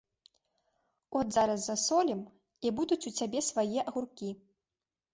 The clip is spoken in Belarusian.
От зараз засолім, і будуць у цябе свае агуркі.